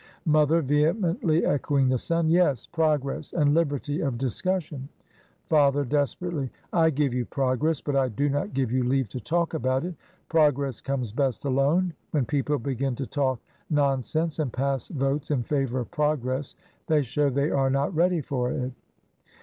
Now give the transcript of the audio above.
Mother (vehemently echoing the son), "Yes, pro gress and liberty of discussion. ..." Father {desperately). "I give you progress, but I do not give you leave to talk about it. Progress comes best alone. When people begin to talk non sense, and pass votes in favour of progress, they show they are not ready for it.